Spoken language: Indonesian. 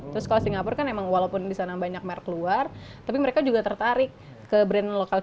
terus kalau singapura kan emang walaupun disana banyak merk luar tapi mereka juga tertarik ke brand lokal kita